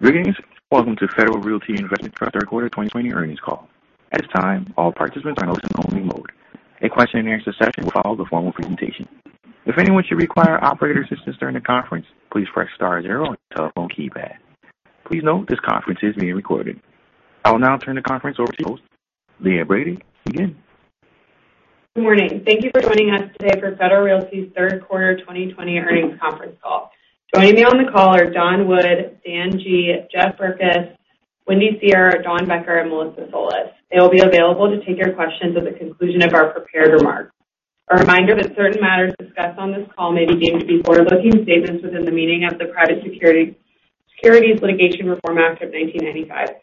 I will now turn the conference over to Leah Brady. Good morning. Thank you for joining us today for Federal Realty's third quarter 2020 earnings conference call. Joining me on the call are Donald Wood, Dan Guglielmone, Jeffrey Berkes, Wendy Seher, Dawn Becker, and Melissa Solis. They'll be available to take your questions at the conclusion of our prepared remarks. A reminder that certain matters discussed on this call may be deemed to be forward-looking statements within the meaning of the Private Securities Litigation Reform Act of 1995.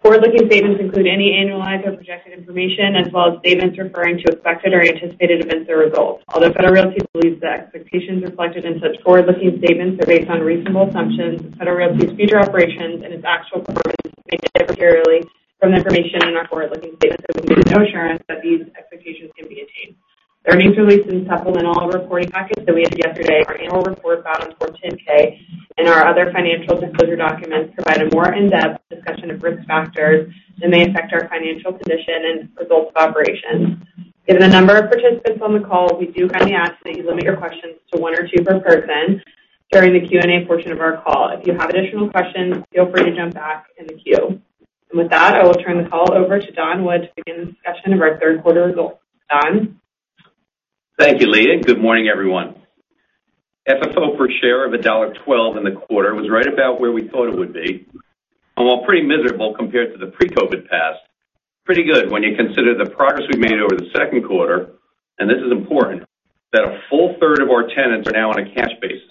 Forward-looking statements include any annualized or projected information, as well as statements referring to expected or anticipated events or results. Although Federal Realty believes that expectations reflected in such forward-looking statements are based on reasonable assumptions, Federal Realty's future operations and its actual performance may differ materially from the information in our forward-looking statements, and we give no assurance that these expectations can be attained. The earnings release and supplemental reporting package that we issued yesterday, our annual report filed on Form 10-K, and our other financials and disclosure documents provide a more in-depth discussion of risk factors that may affect our financial position and results of operations. Given the number of participants on the call, we do kindly ask that you limit your questions to one or two per person during the Q&A portion of our call. If you have additional questions, feel free to jump back in the queue. With that, I will turn the call over to Donald Wood to begin the discussion of our third quarter results. Donald? Thank you, Leah. Good morning, everyone. FFO per share of $1.12 in the quarter was right about where we thought it would be. While pretty miserable compared to the pre-COVID past, pretty good when you consider the progress we've made over the second quarter, and this is important, that a full third of our tenants are now on a cash basis,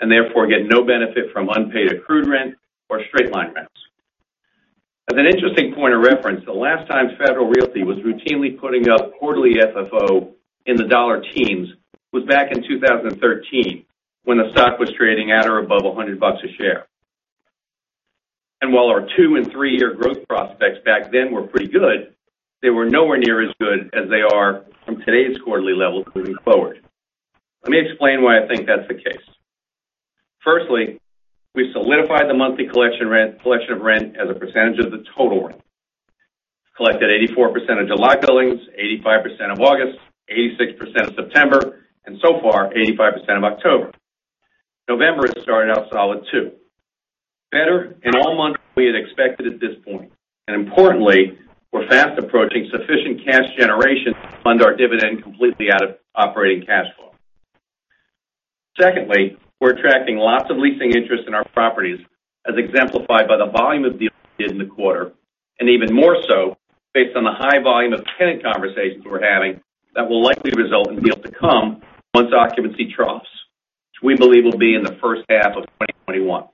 and therefore get no benefit from unpaid accrued rent or straight line rents. As an interesting point of reference, the last time Federal Realty was routinely putting up quarterly FFO in the dollar teens was back in 2013, when the stock was trading at or above $100 a share. While our two- and three-year growth prospects back then were pretty good, they were nowhere near as good as they are from today's quarterly level moving forward. Let me explain why I think that's the case. Firstly, we solidified the monthly collection of rent as a percentage of the total rent. Collected 84% of July billings, 85% of August, 86% of September, and so far, 85% of October. November is starting out solid too. Better in all months we had expected at this point. Importantly, we're fast approaching sufficient cash generation to fund our dividend completely out of operating cash flow. Secondly, we're attracting lots of leasing interest in our properties, as exemplified by the volume of deals we did in the quarter, and even more so, based on the high volume of tenant conversations we're having that will likely result in deals to come once occupancy troughs, which we believe will be in the first half of 2021.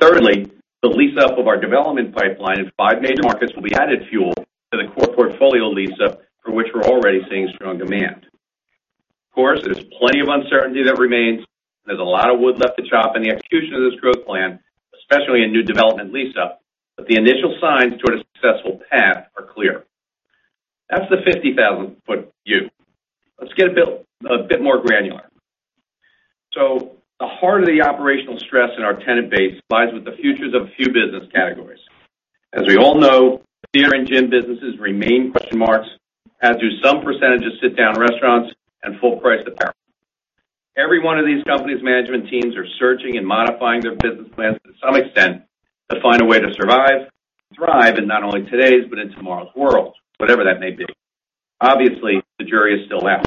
Thirdly, the lease up of our development pipeline in five major markets will be added fuel to the core portfolio lease-up for which we're already seeing strong demand. Of course, there's plenty of uncertainty that remains. There's a lot of wood left to chop in the execution of this growth plan, especially in new development lease up, but the initial signs toward a successful path are clear. That's the 50,000 ft view. Let's get a bit more granular. The heart of the operational stress in our tenant base lies with the futures of a few business categories. As we all know, theater and gym businesses remain question marks, as do some percentage of sit-down restaurants and full-price apparel. Every one of these companies' management teams are searching and modifying their business plans to some extent to find a way to survive and thrive in not only today's, but in tomorrow's world, whatever that may be. Obviously, the jury is still out.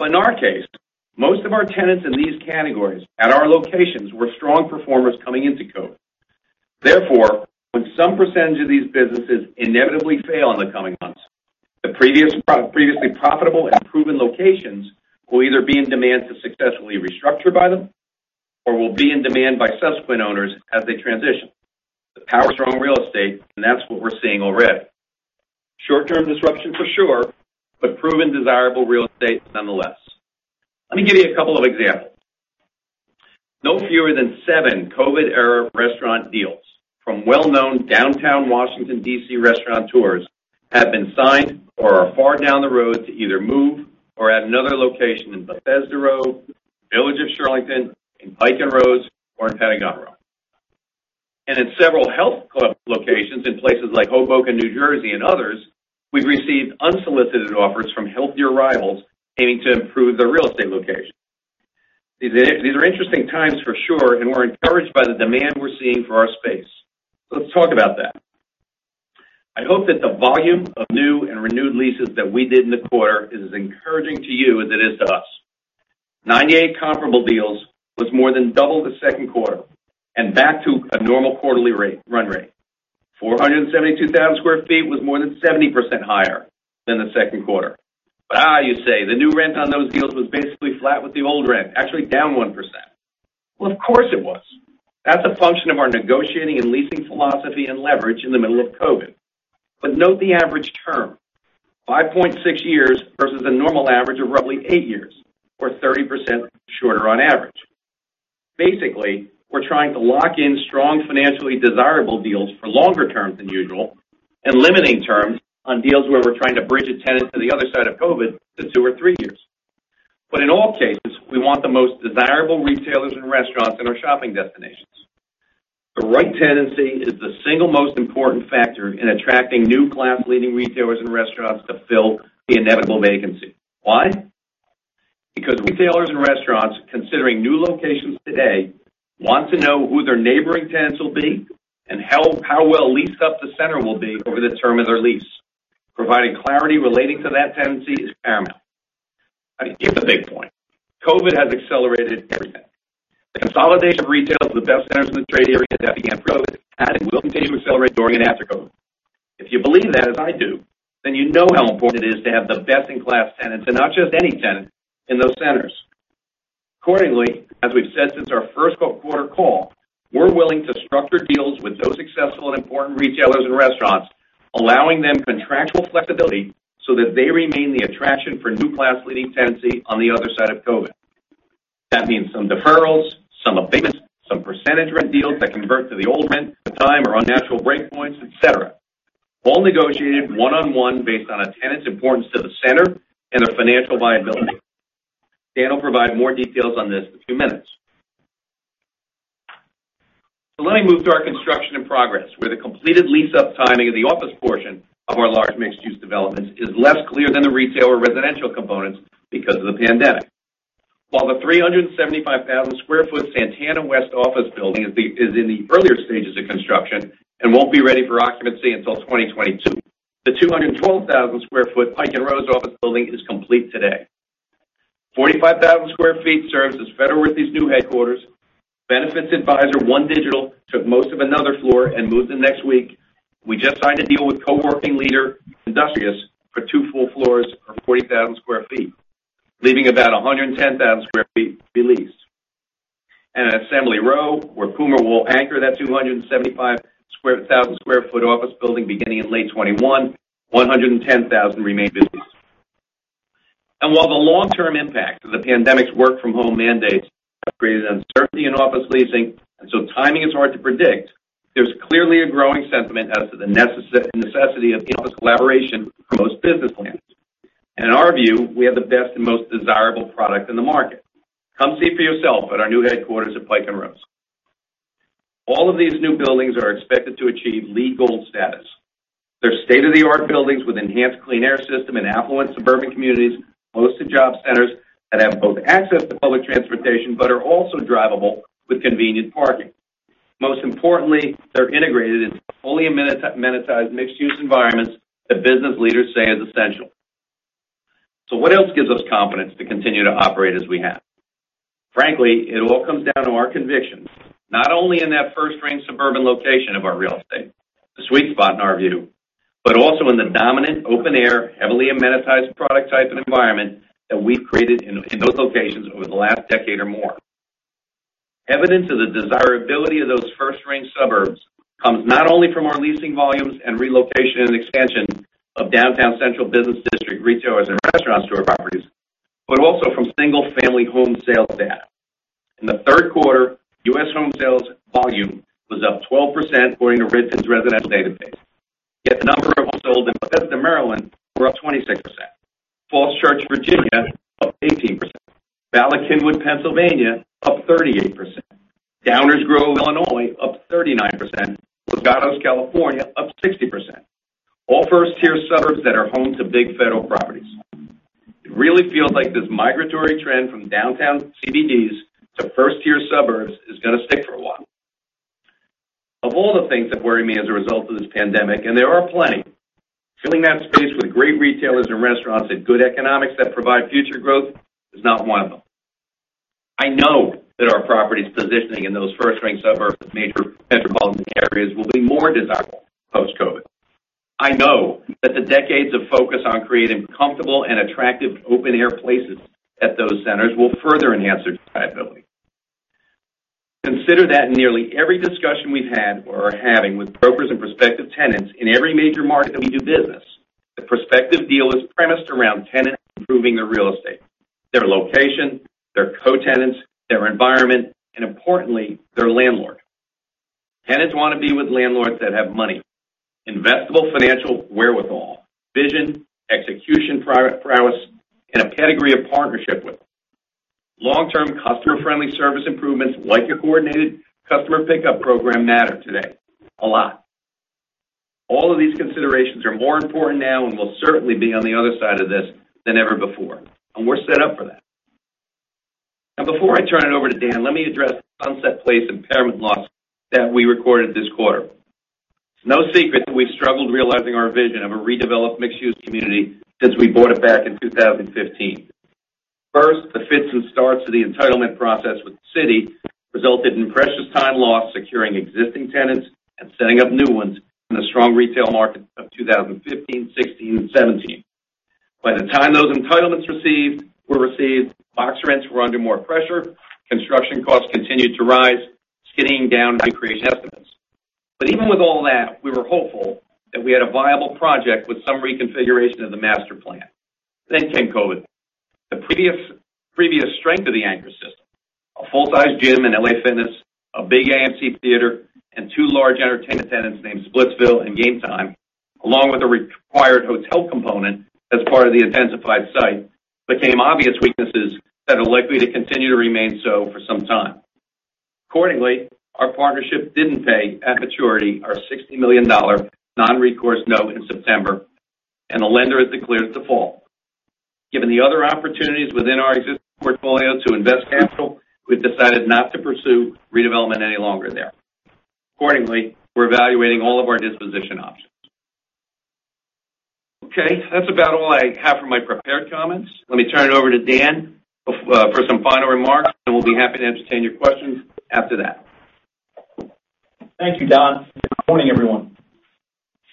In our case, most of our tenants in these categories at our locations were strong performers coming into COVID. Therefore, when some percentage of these businesses inevitably fail in the coming months, the previously profitable and proven locations will either be in demand to successfully restructure by them or will be in demand by subsequent owners as they transition. The power of strong real estate, that's what we're seeing already. Short-term disruption for sure, proven desirable real estate nonetheless. Let me give you a couple of examples. No fewer than seven COVID-era restaurant deals from well-known downtown Washington, D.C. restaurateurs have been signed or are far down the road to either move or add another location in Bethesda Row, Village of Shirlington, in Pike and Rose, or in Pentagon Row. In several health club locations in places like Hoboken, New Jersey, and others, we've received unsolicited offers from healthier rivals aiming to improve their real estate location. These are interesting times for sure, and we're encouraged by the demand we're seeing for our space. Let's talk about that. I hope that the volume of new and renewed leases that we did in the quarter is as encouraging to you as it is to us. 98 comparable deals was more than double the second quarter and back to a normal quarterly run rate. 472,000 sq ft was more than 70% higher than the second quarter. You say, the new rent on those deals was basically flat with the old rent, actually down 1%. Of course it was. That's a function of our negotiating and leasing philosophy and leverage in the middle of COVID. Note the average term, 5.6 years versus a normal average of roughly eight years, or 30% shorter on average. We're trying to lock in strong financially desirable deals for longer terms than usual and limiting terms on deals where we're trying to bridge a tenant to the other side of COVID to two or three years. In all cases, we want the most desirable retailers and restaurants in our shopping destinations. The right tenancy is the single most important factor in attracting new class-leading retailers and restaurants to fill the inevitable vacancy. Why? Retailers and restaurants considering new locations today want to know who their neighboring tenants will be and how well leased up the center will be over the term of their lease. Providing clarity relating to that tenancy is paramount. Here's the big point. COVID has accelerated everything. The consolidation of retail to the best centers in the trade area that began pre-COVID has and will continue to accelerate during and after COVID. If you believe that, as I do, you know how important it is to have the best-in-class tenants, and not just any tenant in those centers. As we've said since our first quarter call, we're willing to structure deals with those successful and important retailers and restaurants, allowing them contractual flexibility so that they remain the attraction for new class-leading tenancy on the other side of COVID. That means some deferrals, some abatements, some percentage rent deals that convert to the old rent at time or on natural break points, et cetera. All negotiated one-on-one based on a tenant's importance to the center and their financial viability. Dan will provide more details on this in a few minutes. Let me move to our construction and progress, where the completed lease-up timing of the office portion of our large mixed-use developments is less clear than the retail or residential components because of the pandemic. While the 375,000 sq ft Santana West office building is in the earlier stages of construction and won't be ready for occupancy until 2022, the 212,000 sq ft Pike & Rose office building is complete today. 45,000 sq ft serves as Federal Realty's new headquarters. Benefits advisor OneDigital took most of another floor and moves in next week. We just signed a deal with co-working leader Industrious for two full floors of 40,000 sq ft, leaving about 110,000 sq ft to be leased. At Assembly Row, where Puma will anchor that 275,000 sq ft office building beginning in late 2021, 110,000 remain busy. While the long-term impact of the pandemic's work from home mandates have created uncertainty in office leasing, and so timing is hard to predict, there's clearly a growing sentiment as to the necessity of in-office collaboration for most business plans. In our view, we have the best and most desirable product in the market. Come see for yourself at our new headquarters at Pike & Rose. All of these new buildings are expected to achieve LEED Gold status. They're state-of-the-art buildings with enhanced clean air system in affluent suburban communities, close to job centers that have both access to public transportation, but are also drivable with convenient parking. Most importantly, they're integrated into fully amenitized mixed-use environments that business leaders say is essential. What else gives us confidence to continue to operate as we have? Frankly, it all comes down to our convictions, not only in that first-ring suburban location of our real estate, the sweet spot in our view, but also in the dominant, open-air, heavily amenitized product type and environment that we've created in those locations over the last decade or more. Evidence of the desirability of those first-ring suburbs comes not only from our leasing volumes and relocation and expansion of downtown central business district retailers and restaurants to our properties, but also from single-family home sale data. In the third quarter, U.S. home sales volume was up 12% according to REITs residential database. Yet the number of homes sold in Bethesda, Maryland were up 26%. Falls Church, Virginia, up 18%. Bala Cynwyd, Pennsylvania, up 38%. Downers Grove, Illinois, up 39%. Los Gatos, California, up 60%. All first-tier suburbs that are home to big Federal properties. It really feels like this migratory trend from downtown CBDs to first-tier suburbs is going to stick for a while. Of all the things that worry me as a result of this pandemic, and there are plenty, filling that space with great retailers and restaurants at good economics that provide future growth is not one of them. I know that our properties' positioning in those first-ring suburbs of major metropolitan areas will be more desirable post-COVID. I know that the decades of focus on creating comfortable and attractive open air places at those centers will further enhance their viability. Consider that in nearly every discussion we've had or are having with brokers and prospective tenants in every major market that we do business, the prospective deal is premised around tenants improving their real estate, their location, their co-tenants, their environment, and importantly, their landlord. Tenants want to be with landlords that have money, investable financial wherewithal, vision, execution prowess, and a pedigree of partnership with. Long-term customer-friendly service improvements like a coordinated customer pickup program matter today, a lot. All of these considerations are more important now and will certainly be on the other side of this than ever before. We're set up for that. Before I turn it over to Dan, let me address the Sunset Place impairment loss that we recorded this quarter. It's no secret that we've struggled realizing our vision of a redeveloped mixed-use community since we bought it back in 2015. First, the fits and starts of the entitlement process with the city resulted in precious time lost securing existing tenants and setting up new ones in the strong retail market of 2015, 2016, and 2017. By the time those entitlements were received, box rents were under more pressure, construction costs continued to rise, skidding down recreation estimates. Even with all that, we were hopeful that we had a viable project with some reconfiguration of the master plan. Came COVID. The previous strength of the anchor, a full-size gym in LA Fitness, a big AMC theater, and two large entertainment tenants named Splitsville and GameTime, along with a required hotel component as part of the intensified site, became obvious weaknesses that are likely to continue to remain so for some time. Accordingly, our partnership didn't pay at maturity our $60 million non-recourse note in September, and the lender has declared its default. Given the other opportunities within our existing portfolio to invest capital, we've decided not to pursue redevelopment any longer there. Accordingly, we're evaluating all of our disposition options. Okay, that's about all I have for my prepared comments. Let me turn it over to Dan for some final remarks, and we'll be happy to entertain your questions after that. Thank you, Don, and good morning, everyone.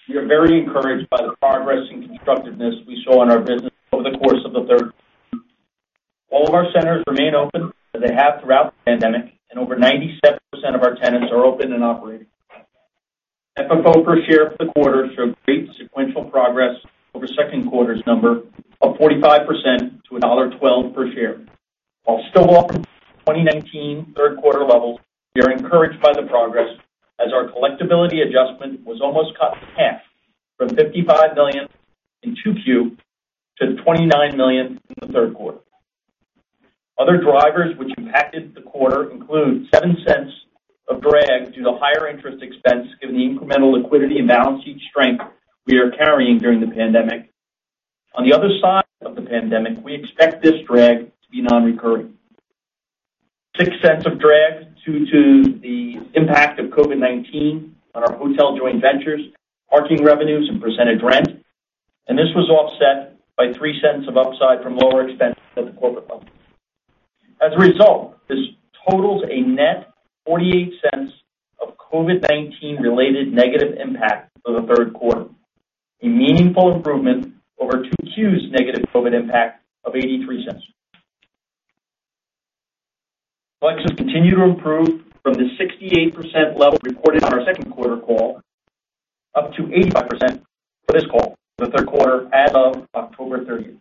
We are very encouraged by the progress and constructiveness we saw in our business over the course of the third quarter. All of our centers remain open as they have throughout the pandemic, and over 97% of our tenants are open and operating. FFO per share for the quarter showed great sequential progress over second quarter's number of 45% to $1.12 per share. While still off from 2019 third quarter levels, we are encouraged by the progress as our collectibility adjustment was almost cut in half from $55 million in 2Q to $29 million in the third quarter. Other drivers which impacted the quarter include $0.07 of drag due to higher interest expense given the incremental liquidity and balance sheet strength we are carrying during the pandemic. On the other side of the pandemic, we expect this drag to be non-recurring. $0.06 of drag due to the impact of COVID-19 on our hotel joint ventures, parking revenues, and percentage rent. This was offset by $0.03 of upside from lower expenses at the corporate level. As a result, this totals a net $0.48 of COVID-19 related negative impact for the third quarter, a meaningful improvement over 2Q's negative COVID impact of $0.83. Collections continue to improve from the 68% level reported on our second quarter call up to 85% for this call for the third quarter as of October 30th,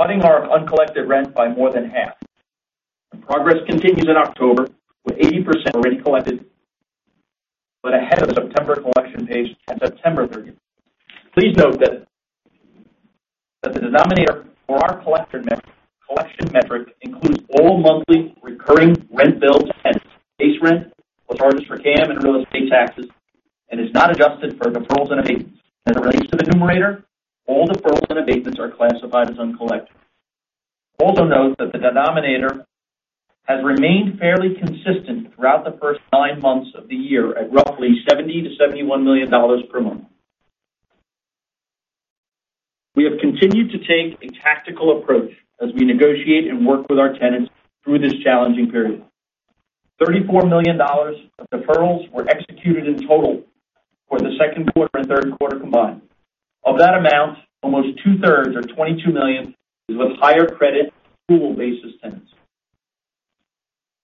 cutting our uncollected rent by more than half. The progress continues in October, with 80% already collected but ahead of September collection pace at September 30th. Please note that the denominator for our collection metric includes all monthly recurring rent billed to tenants, base rent plus charges for CAM and real estate taxes, and is not adjusted for deferrals and abatements. As it relates to the numerator, all deferrals and abatements are classified as uncollected. Also note that the denominator has remained fairly consistent throughout the first nine months of the year at roughly $70 million to $71 million per month. We have continued to take a tactical approach as we negotiate and work with our tenants through this challenging period. $34 million of deferrals were executed in total for the second quarter and third quarter combined. Of that amount, almost two-thirds or $22 million is with higher credit pool-basis tenants.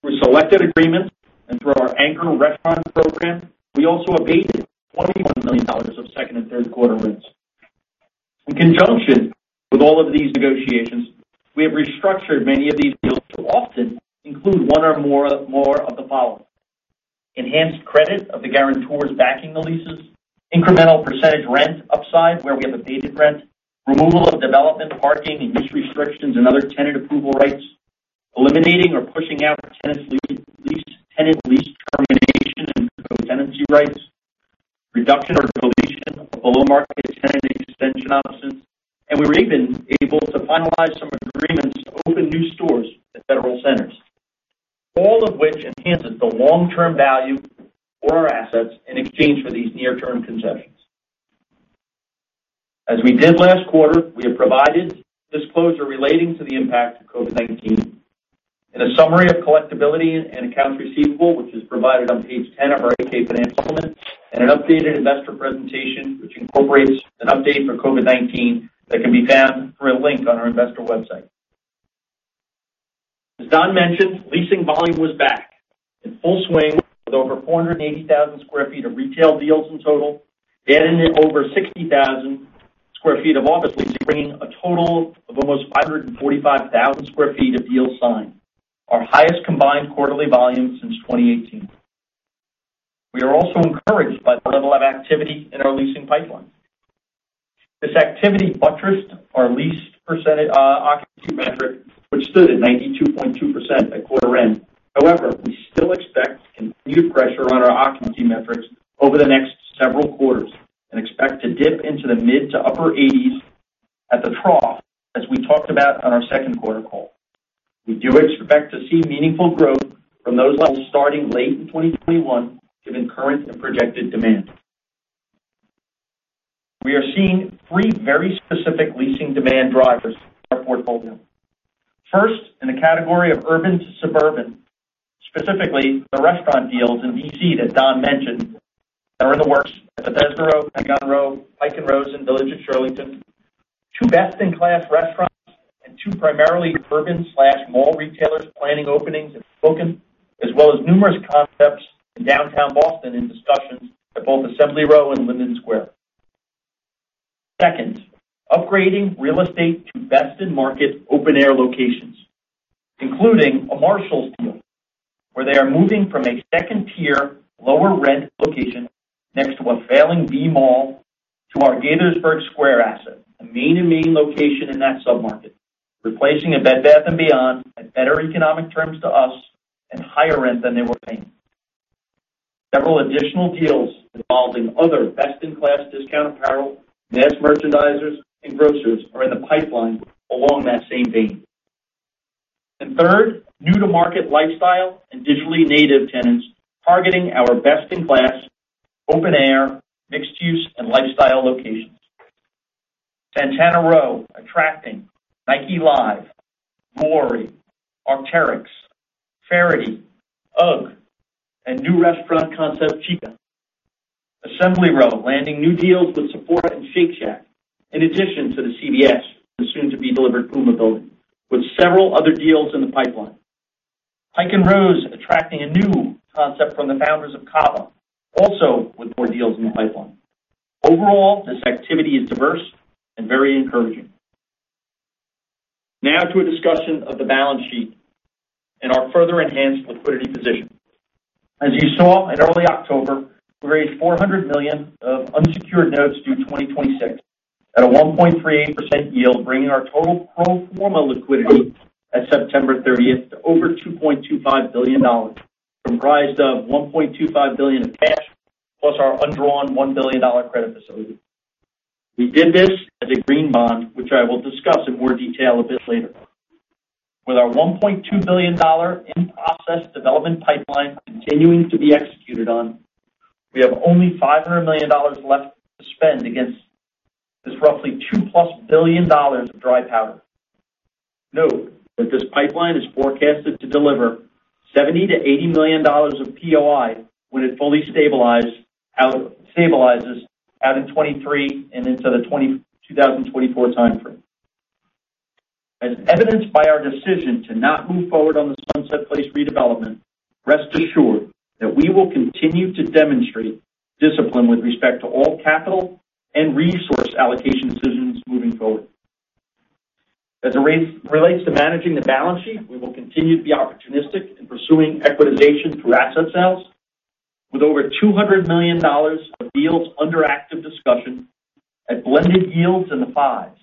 Through selected agreements and through our anchor restaurant program, we also abated $21 million of second and third quarter rents. In conjunction with all of these negotiations, we have restructured many of these deals to often include one or more of the following: enhanced credit of the guarantors backing the leases, incremental percentage rent upside where we have abated rent, removal of development, parking, and use restrictions and other tenant approval rights, eliminating or pushing out tenant lease termination and co-tenancy rights, reduction or deletion of below-market tenant extension options, and we were even able to finalize some agreements to open new stores at federal centers. All of which enhances the long-term value for our assets in exchange for these near-term concessions. As we did last quarter, we have provided disclosure relating to the impact of COVID-19 in a summary of collectibility and accounts receivable, which is provided on page 10 of our 8-K financial elements, and an updated investor presentation, which incorporates an update for COVID-19 that can be found through a link on our investor website. As Donald mentioned, leasing volume was back in full swing with over 480,000 sq ft of retail deals in total, adding in over 60,000 sq ft of office leasing, bringing a total of almost 545,000 sq ft of deals signed, our highest combined quarterly volume since 2018. We are also encouraged by the level of activity in our leasing pipeline. This activity buttressed our leased percentage occupancy metric, which stood at 92.2% at quarter end. We still expect continued pressure on our occupancy metrics over the next several quarters and expect to dip into the mid to upper 80s at the trough, as we talked about on our second quarter call. We do expect to see meaningful growth from those levels starting late in 2021 given current and projected demand. We are seeing three very specific leasing demand drivers in our portfolio. First, in the category of urban to suburban, specifically the restaurant deals in D.C. that Donald mentioned that are in the works at Bethesda Row, Pentagon Row, Pike and Rose in Village of Shirlington. Two best-in-class restaurants and two primarily urban/mall retailers planning openings in Spokane, as well as numerous concepts in downtown Boston in discussions at both Assembly Row and Linden Square. Second, upgrading real estate to best-in-market open-air locations, including a Marshalls deal where they are moving from a second-tier lower-rent location next to a failing B mall to our Gaithersburg Square asset, a main-to-main location in that sub-market, replacing a Bed Bath & Beyond at better economic terms to us and higher rent than they were paying. Several additional deals involving other best-in-class discount apparel, mass merchandisers, and grocers are in the pipeline along that same vein. Third, new-to-market lifestyle and digitally native tenants targeting our best-in-class open-air, mixed-use, and lifestyle locations. Santana Row attracting Nike Live, Vuori, Arc'teryx, Faherty, UGG, and new restaurant concept, Chica. Assembly Row landing new deals with Sephora and Shake Shack, in addition to the CVS and the soon-to-be delivered PUMA building, with several other deals in the pipeline. Pike & Rose attracting a new concept from the founders of CAVA, also with more deals in the pipeline. Overall, this activity is diverse and very encouraging. Now to a discussion of the balance sheet and our further enhanced liquidity position. As you saw in early October, we raised $400 million of unsecured notes due 2026 at a 1.38% yield, bringing our total pro forma liquidity at September 30th to over $2.25 billion, comprised of $1.25 billion of cash, plus our undrawn $1 billion credit facility. We did this as a green bond, which I will discuss in more detail a bit later. With our $1.2 billion in-process development pipeline continuing to be executed on, we have only $500 million left to spend against this roughly $2+ billion of dry powder. Note that this pipeline is forecasted to deliver $70 million-$80 million of POI when it fully stabilizes out in 2023 and into the 2024 timeframe. As evidenced by our decision to not move forward on the Sunset Place redevelopment, rest assured that we will continue to demonstrate discipline with respect to all capital and resource allocation decisions moving forward. As it relates to managing the balance sheet, we will continue to be opportunistic in pursuing equitization through asset sales with over $200 million of deals under active discussion at blended yields in the fives.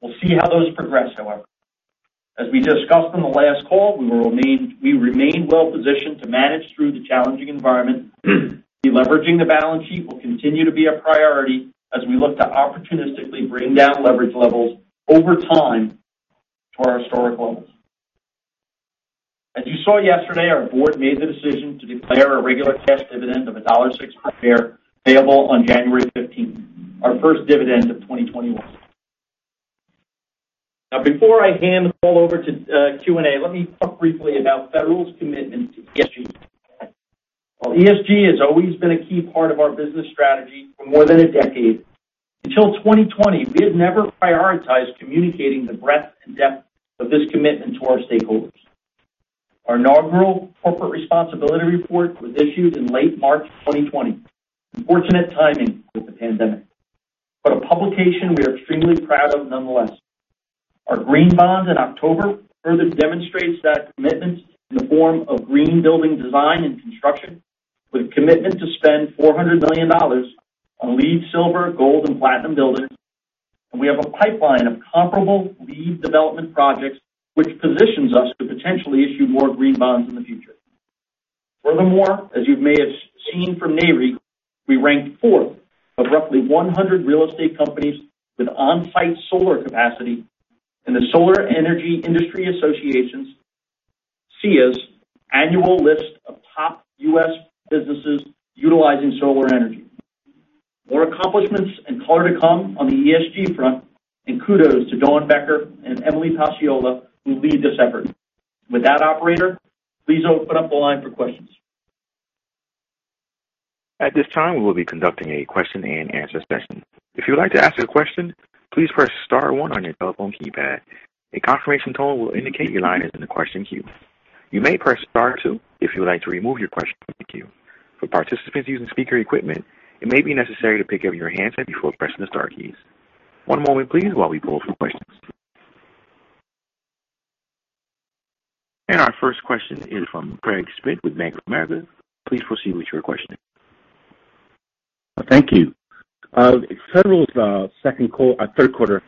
We'll see how those progress, however. As we discussed on the last call, we remain well positioned to manage through the challenging environment. Deleveraging the balance sheet will continue to be a priority as we look to opportunistically bring down leverage levels over time to our historic levels. As you saw yesterday, our board made the decision to declare a regular cash dividend of $1.06 per share payable on January 15th, our first dividend of 2021. Before I hand the call over to Q&A, let me talk briefly about Federal's commitment to ESG. While ESG has always been a key part of our business strategy for more than a decade, until 2020, we had never prioritized communicating the breadth and depth of this commitment to our stakeholders. Our inaugural corporate responsibility report was issued in late March 2020. Unfortunate timing with the pandemic, but a publication we are extremely proud of nonetheless. Our green bonds in October further demonstrates that commitment in the form of green building design and construction, with a commitment to spend $400 million on LEED Silver, Gold and Platinum buildings, and we have a pipeline of comparable LEED development projects, which positions us to potentially issue more green bonds in the future. Furthermore, as you may have seen from NAREIT, we ranked fourth of roughly 100 real estate companies with on-site solar capacity in the Solar Energy Industries Association's, SEIA's annual list of top U.S. businesses utilizing solar energy. More accomplishments and color to come on the ESG front, and kudos to Dawn Becker and Emily Paciolo, who lead this effort. With that, operator, please open up the line for questions. Our first question is from Craig Schmidt with Bank of America. Please proceed with your question. Thank you. Federal's third quarter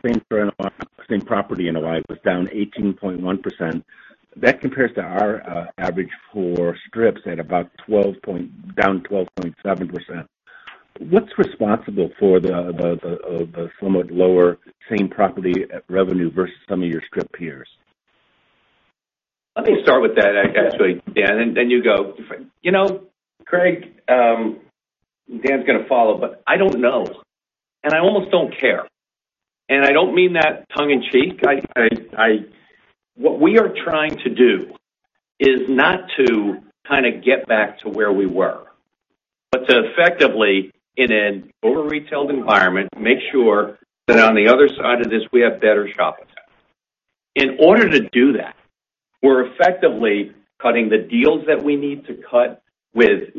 same property NOI was down 18.1%. That compares to our average for strips at about down 12.7%. What's responsible for the somewhat lower same property revenue versus some of your strip peers? Let me start with that actually, Dan, and then you go. Craig, Dan's going to follow, but I don't know, and I almost don't care. I don't mean that tongue in cheek. What we are trying to do is not to kind of get back to where we were, but to effectively, in an over-retailed environment, make sure that on the other side of this, we have better shopping In order to do that, we're effectively cutting the deals that we need to cut with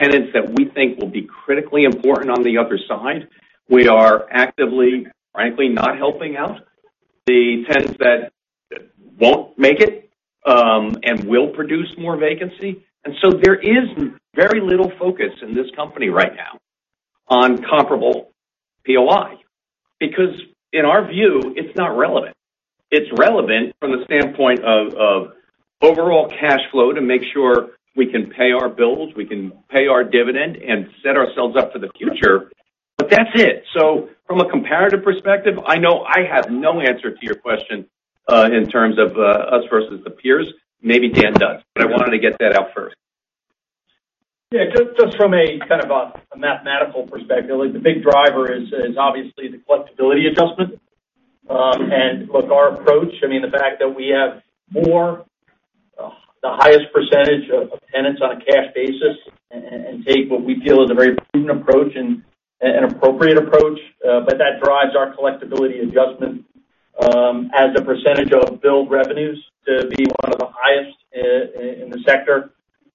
tenants that we think will be critically important on the other side. We are actively, frankly, not helping out the tenants that won't make it and will produce more vacancy. There is very little focus in this company right now on comparable NOI, because in our view, it's not relevant. It's relevant from the standpoint of overall cash flow to make sure we can pay our bills, we can pay our dividend, and set ourselves up for the future, but that's it. From a comparative perspective, I know I have no answer to your question in terms of us versus the peers. Maybe Dan does, but I wanted to get that out first. Yeah. Just from a kind of a mathematical perspective, the big driver is obviously the collectibility adjustment. Look, our approach, I mean, the fact that we have more, the highest percentage of tenants on a cash basis and take what we feel is a very prudent approach and an appropriate approach, but that drives our collectibility adjustment as a percentage of billed revenues to be one of the highest in the sector,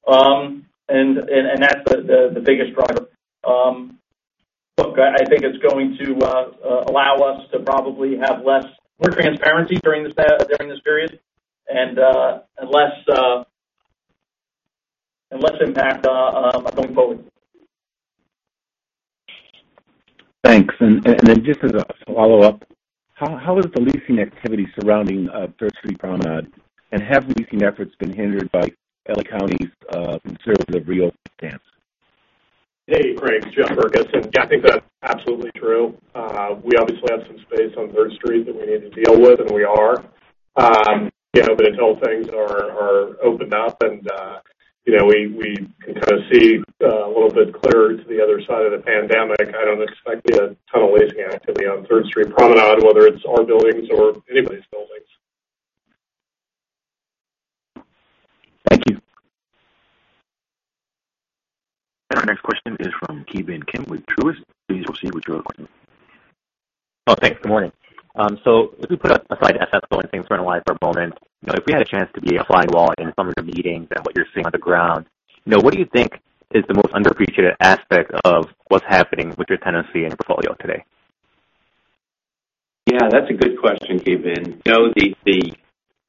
and that's the biggest driver. Look, I think it's going to allow us to probably have less transparency during this period and less impact going forward. Thanks. Then just as a follow-up, how is the leasing activity surrounding Third Street Promenade, and have leasing efforts been hindered by L.A. County's conservative reopening stance? Hey, Craig. It's John Ferguson. Yeah, I think that's absolutely true. We obviously have some space on Third Street that we need to deal with, and we are. Until things are opened up and we can kind of see a little bit clearer to the other side of the pandemic, I don't expect a ton of leasing activity on Third Street Promenade, whether it's our buildings or anybody's buildings. Thank you. Our next question is from Ki-Bin Kim with Truist Securities. Please proceed with your question. Oh, thanks. Good morning. If we put aside SS going things for a moment, if we had a chance to be a fly on the wall in some of your meetings and what you're seeing on the ground, what do you think is the most underappreciated aspect of what's happening with your tenancy and your portfolio today? That's a good question, Ki-Bin.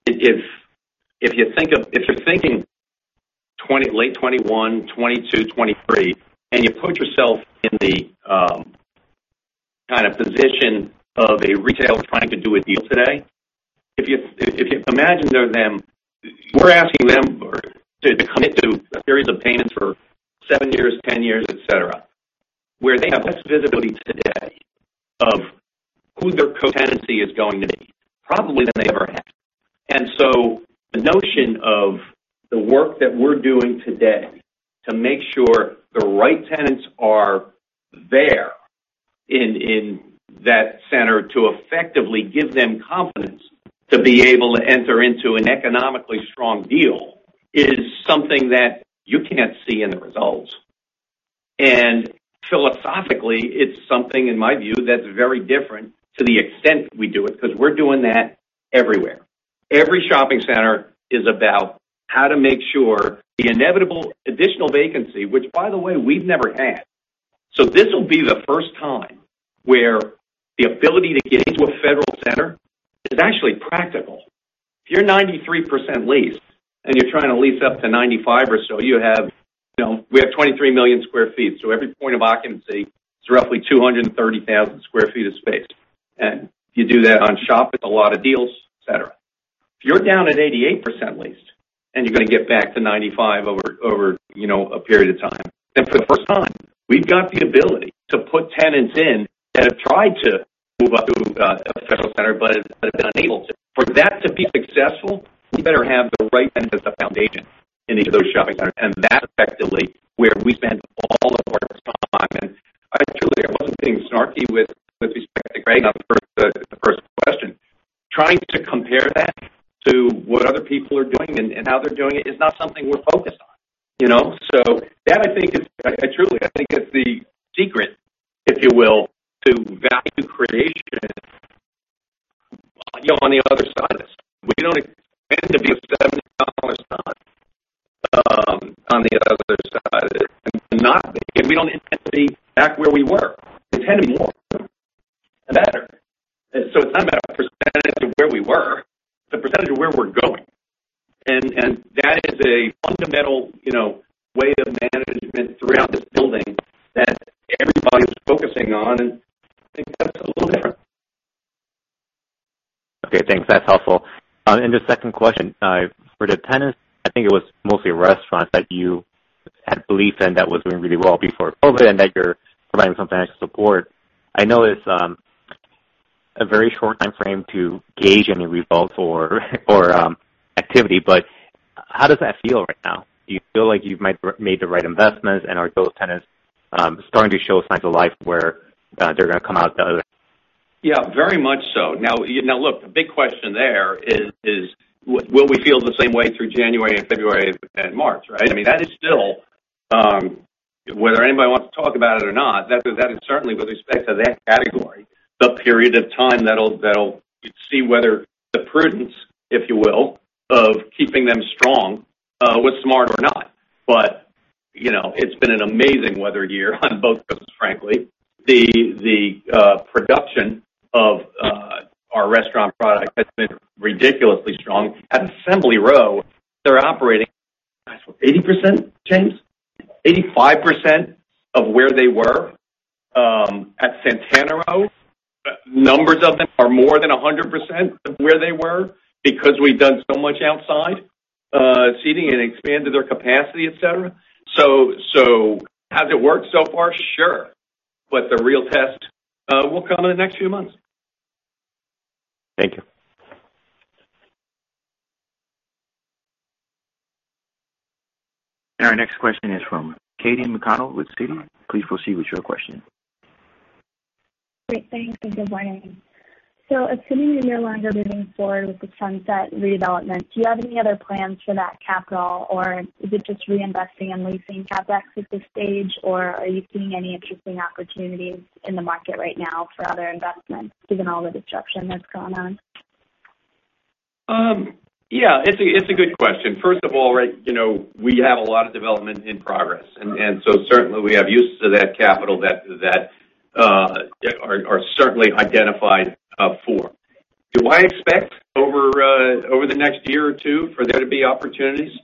If you're thinking late 2021, 2022, 2023, and you put yourself in the kind of position of a retailer trying to do a deal today, if you imagine they're them, we're asking them to commit to a series of payments for seven years, 10 years, et cetera, where they have less visibility today of who their co-tenancy is going to be, probably than they ever have. The notion of the work that we're doing today to make sure the right tenants are there in that center to effectively give them confidence to be able to enter into an economically strong deal is something that you can't see in the results. Philosophically, it's something, in my view, that's very different to the extent we do it, because we're doing that everywhere. Every shopping center is about how to make sure the inevitable additional vacancy, which by the way, we've never had. This will be the first time where the ability to get into a Federal center is actually practical. If you're 93% leased and you're trying to lease up to 95 or so, we have 23 million sq ft. Every point of occupancy is roughly 230,000 sq ft of space. If you do that on shop, it's a lot of deals, et cetera. If you're down at 88% leased and you're going to get back to 95 over a period of time. For the first time, we've got the ability to put tenants in that have tried to move up to a Federal center, but have been unable to. For that to be successful, we better have the right tenants as the foundation in each of those shopping centers, and that's effectively where we spend all of our time. Truly, I wasn't being snarky with respect to Craig on the first question. Trying to compare that to what other people are doing and how they're doing it is not something we're focused on. That I think is, truly, I think it's the secret if you will, to value creation on the other side of this. We don't intend to be a $7 stock on the other side of it, not be. We don't intend to be back where we were. We intend to be more, better. It's not about a % of where we were, it's a % of where we're going. That is a fundamental way of management throughout this building that everybody's focusing on, and I think that's a little different. Okay, thanks. That's helpful. The second question, for the tenants, I think it was mostly restaurants that you had belief in that was doing really well before COVID, and that you're providing some financial support. I know it's a very short timeframe to gauge any results or activity, but how does that feel right now? Do you feel like you've made the right investments, and are those tenants starting to show signs of life where they're going to come out the other end? Yeah, very much so. The big question there is will we feel the same way through January and February and March, right? I mean, that is still, whether anybody wants to talk about it or not, that is certainly with respect to that category, the period of time that'll see whether the prudence, if you will, of keeping them strong was smart or not. It's been an amazing weather year on both coasts, frankly. The production of our restaurant product has been ridiculously strong. At Assembly Row, they're operating 80%, James? 85% of where they were. At Santana Row, numbers of them are more than 100% of where they were because we've done so much outside seating and expanded their capacity, et cetera. Has it worked so far? Sure. The real test will come in the next few months. Thank you. Our next question is from Katy McConnell with Citi. Please proceed with your question. Great. Thanks, and good morning. Assuming the year-end moving forward with the Sunset redevelopment, do you have any other plans for that capital, or is it just reinvesting and leasing CapEx at this stage, or are you seeing any interesting opportunities in the market right now for other investments given all the disruption that's gone on? It's a good question. First of all, we have a lot of development in progress, and so certainly we have uses of that capital that are certainly identified for. Do I expect over the next year or two for there to be opportunities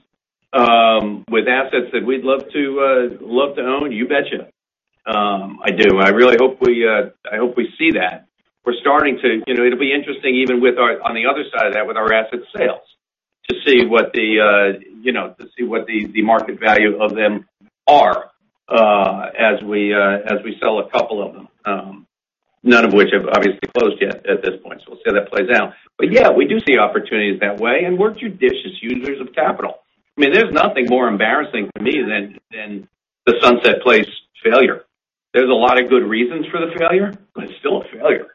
with assets that we'd love to own? You betcha. I do. I really hope we see that. It'll be interesting even on the other side of that, with our asset sales, to see what the market value of them are as we sell a couple of them, none of which have obviously closed yet at this point. We'll see how that plays out. Yeah, we do see opportunities that way, and we're judicious users of capital. There's nothing more embarrassing to me than the Sunset Place failure. There's a lot of good reasons for the failure, but it's still a failure.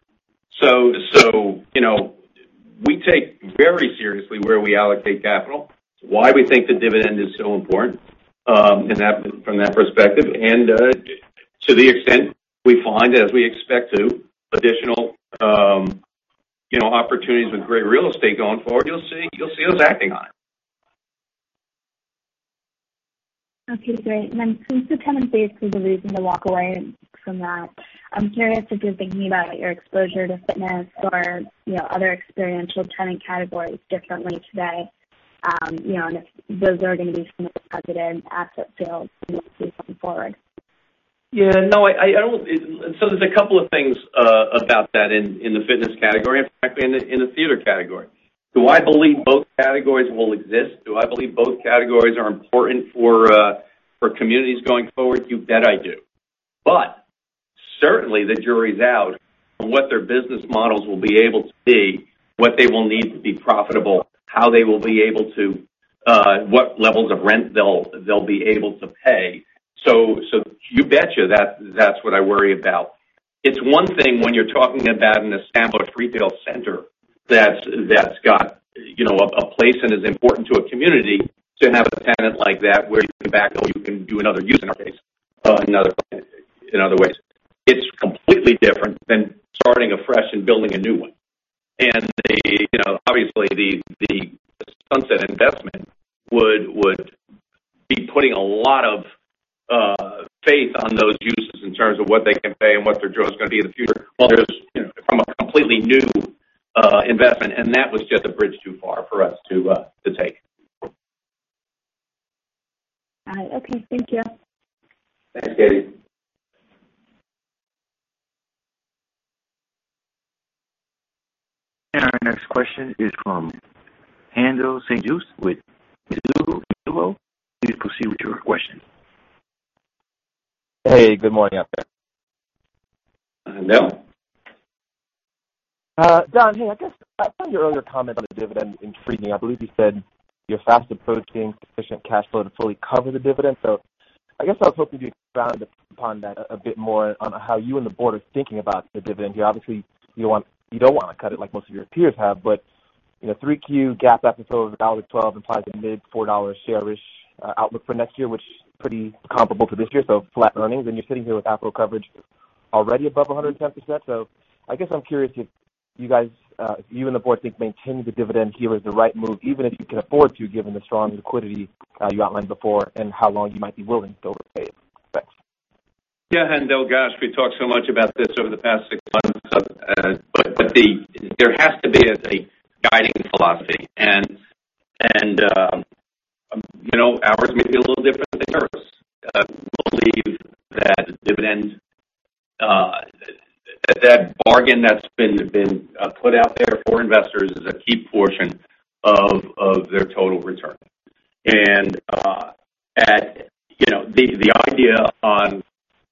We take very seriously where we allocate capital. It's why we think the dividend is so important from that perspective. To the extent we find, as we expect to, additional opportunities with great real estate going forward, you'll see us acting on it. Okay, great. Since the tenant base is a reason to walk away from that, I'm curious if you're thinking about your exposure to fitness or other experiential tenant categories differently today, and if those are going to be some of the precedent asset sales we might see going forward. Yeah. There's a couple of things about that in the fitness category, and frankly, in the theater category. Do I believe both categories will exist? Do I believe both categories are important for communities going forward? You bet I do. Certainly the jury's out on what their business models will be able to be, what they will need to be profitable, what levels of rent they'll be able to pay. You betcha, that's what I worry about. It's one thing when you're talking about an established retail center that's got a place and is important to a community to have a tenant like that where you can go back, or you can do another use in our case, in other ways. It's completely different than starting afresh and building a new one. Obviously, the Sunset investment would be putting a lot of faith on those uses in terms of what they can pay and what their growth is going to be in the future from a completely new investment, and that was just a bridge too far for us to take. All right. Okay. Thank you. Thanks, Katy. Our next question is from Haendel St. Juste with Mizuho. Please proceed with your question. Hey, good morning, out there. Haendel. Don, hey. I guess some of your earlier comments on the dividend intrigued me. I believe you said you're fast approaching sufficient cash flow to fully cover the dividend. I guess I was hoping to expound upon that a bit more on how you and the board are thinking about the dividend here. Obviously, you don't want to cut it like most of your peers have, 3Q GAAP EPS over $1.12 implies a mid-$4 share-ish outlook for next year, which is pretty comparable to this year, so flat earnings. You're sitting here with FFO coverage already above 110%. I guess I'm curious if you and the board think maintaining the dividend here is the right move, even if you can afford to, given the strong liquidity you outlined before and how long you might be willing to overpay it. Thanks. Yeah, Haendel. Gosh, we've talked so much about this over the past 6 months. There has to be as a guiding philosophy, and ours may be a little different than theirs. We believe that dividends, that bargain that's been put out there for investors is a key portion of their total return. The idea on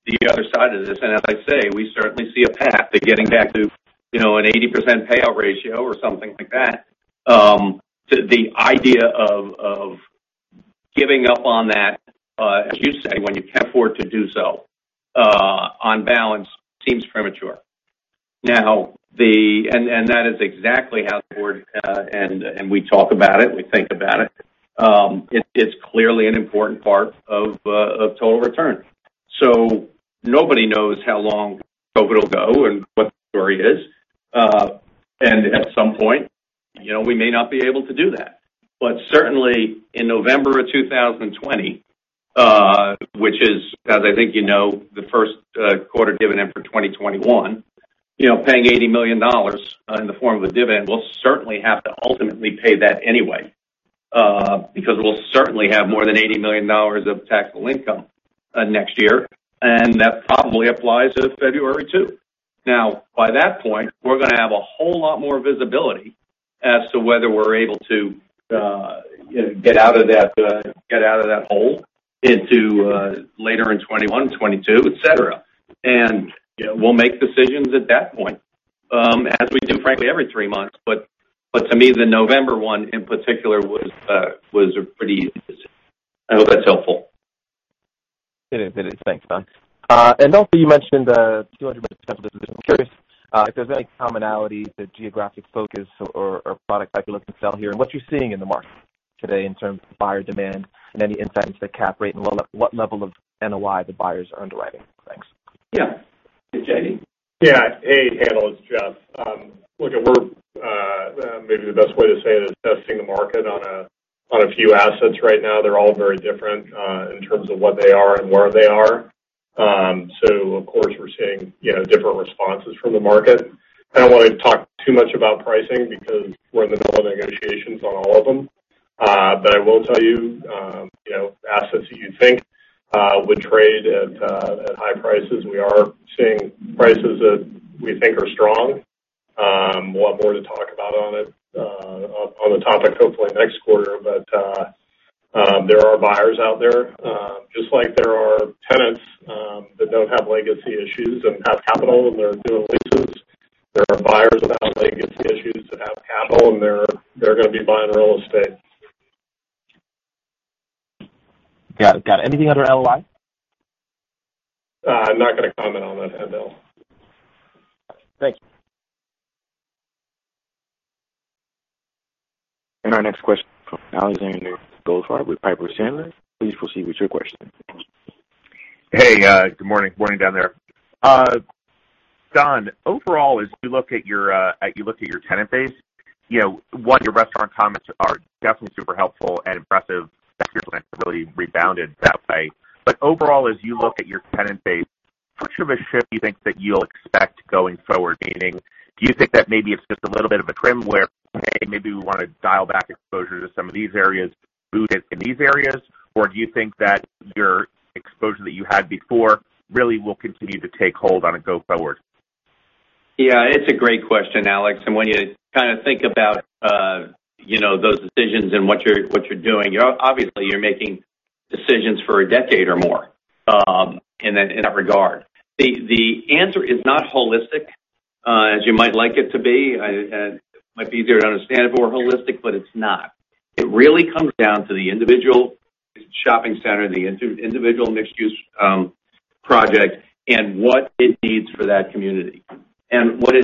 the other side of this, and as I say, we certainly see a path to getting back to an 80% payout ratio or something like that. The idea of giving up on that, as you say, when you can afford to do so, on balance, seems premature. Now, that is exactly how the board. We talk about it, we think about it. It's clearly an important part of total return. Nobody knows how long COVID will go and what the story is. At some point, we may not be able to do that. Certainly in November of 2020, which is, as I think you know, the first quarter dividend for 2021. Paying $80 million in the form of a dividend, we'll certainly have to ultimately pay that anyway, because we'll certainly have more than $80 million of taxable income next year, and that probably applies to February too. By that point, we're going to have a whole lot more visibility as to whether we're able to get out of that hole into later in 2021, 2022, et cetera. We'll make decisions at that point, as we do, frankly, every three months. To me, the November one in particular was a pretty easy decision. I hope that's helpful. It is. Thanks, Donald. Also you mentioned the 200 basis capital distribution. I'm curious if there's any commonality, the geographic focus or product type you're looking to sell here, and what you're seeing in the market today in terms of buyer demand and any insights to the cap rate and what level of NOI the buyers are underwriting. Thanks. Yeah. Jeffrey? Hey, Haendel, it's Jeff. Maybe the best way to say it is testing the market on a few assets right now. They're all very different, in terms of what they are and where they are. Of course, we're seeing different responses from the market. I don't want to talk too much about pricing because we're in the middle of negotiations on all of them. I will tell you, assets that you'd think would trade at high prices, we are seeing prices that we think are strong. We'll have more to talk about on the topic hopefully next quarter. There are buyers out there, just like there are tenants that don't have legacy issues and have capital, and they're doing leases. There are buyers without legacy issues that have capital, and they're going to be buying real estate. Got it. Anything under NOI? I'm not going to comment on that, Haendel. Thank you. Our next question from Alexander Goldfarb with Piper Sandler. Please proceed with your question. Hey, good morning. Morning down there. Donald, overall, as you look at your tenant base, one, your restaurant comments are definitely super helpful and impressive that your center really rebounded that way. Overall, as you look at your tenant base, what sort of a shift do you think that you'll expect going forward? Meaning, do you think that maybe it's just a little bit of a trim where, hey, maybe we want to dial back exposure to some of these areas, move it in these areas? Or do you think that your exposure that you had before really will continue to take hold on a go forward? It's a great question, Alexander. When you kind of think about those decisions and what you're doing, obviously you're making decisions for a decade or more in that regard. The answer is not holistic as you might like it to be. It might be easier to understand if it were holistic, but it's not. It really comes down to the individual shopping center, the individual mixed-use project, and what it needs for that community. What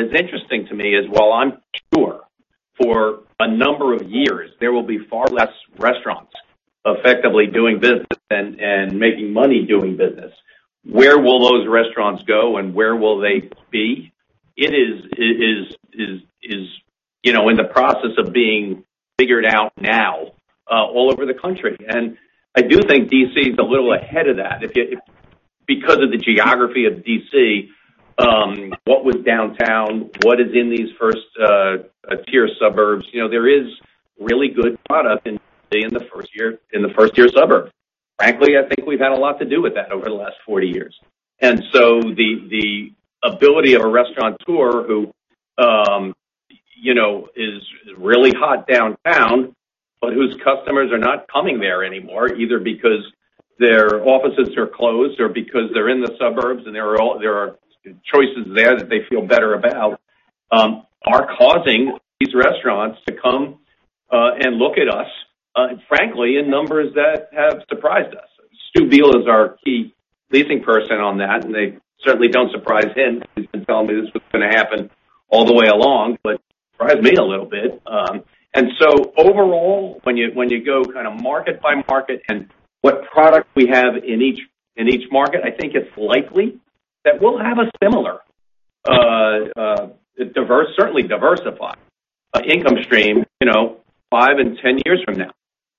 is interesting to me is, while I'm sure for a number of years there will be far less restaurants effectively doing business and making money doing business, where will those restaurants go and where will they be? It is in the process of being figured out now all over the country. I do think D.C. is a little ahead of that. Because of the geography of D.C., what was downtown, what is in these first-tier suburbs, there is really good product in the first-tier suburb. Frankly, I think we've had a lot to do with that over the last 40 years. The ability of a restaurateur who is really hot downtown, but whose customers are not coming there anymore, either because their offices are closed or because they're in the suburbs and there are choices there that they feel better about, are causing these restaurants to come and look at us, frankly, in numbers that have surprised us. Stuart Biel is our key leasing person on that, and they certainly don't surprise him. He's been telling me this was going to happen all the way along, but it surprised me a little bit. Overall, when you go kind of market by market and what product we have in each market, I think it's likely that we'll have a similar, certainly diversified income stream five and 10 years from now.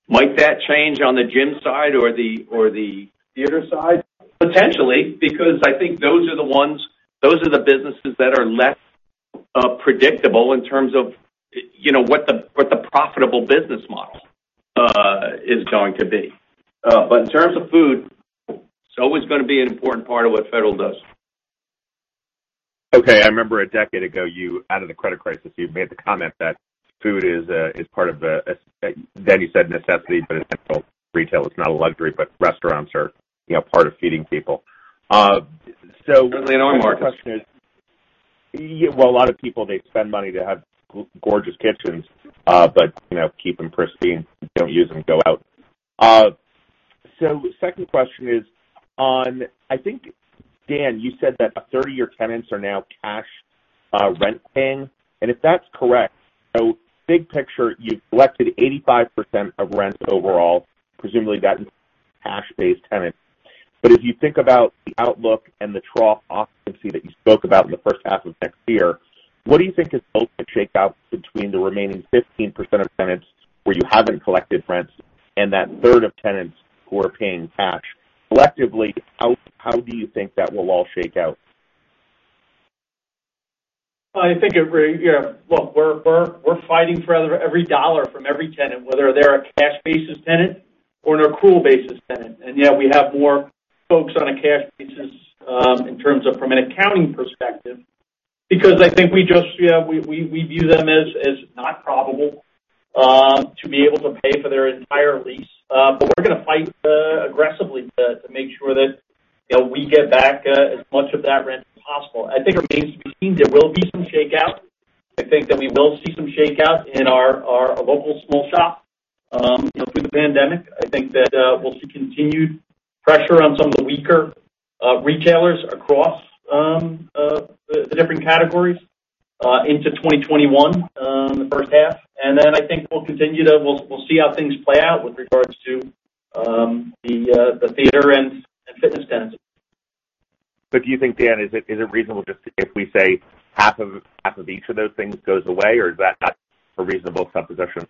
Might that change on the gym side or the theater side? Potentially, because I think those are the businesses that are less predictable in terms of what the profitable business model is going to be. In terms of food, it's always going to be an important part of what Federal does. Okay. I remember a decade ago, out of the credit crisis, you made the comment that food is part of the You said necessity, but essential retail is not a luxury, but restaurants are part of feeding people. Certainly a normal market. Well, a lot of people, they spend money to have gorgeous kitchens, but keep them pristine. They don't use them, go out. Second question is on, I think, Dan, you said that 30-year tenants are now cash rent paying. If that's correct, big picture, you've collected 85% of rent overall, presumably that is cash-based tenants. If you think about the outlook and the trough occupancy that you spoke about in the first half of next year, what do you think is going to shake out between the remaining 15% of tenants where you haven't collected rents and that third of tenants who are paying cash? Collectively, how do you think that will all shake out? Well, look, we're fighting for every dollar from every tenant, whether they're a cash basis tenant or an accrual basis tenant. Yeah, we have more folks on a cash basis in terms of from an accounting perspective, because I think we view them as not probable to be able to pay for their entire lease. We're going to fight aggressively to make sure that we get back as much of that rent as possible. I think our base seems there will be some shakeout. I think that we will see some shakeout in our local small shop through the pandemic. I think that we'll see continued pressure on some of the weaker retailers across the different categories into 2021, in the first half. Then I think we'll see how things play out with regards to the theater and fitness centers. Do you think, Dan, is it reasonable just if we say half of each of those things goes away, or is that not a reasonable supposition?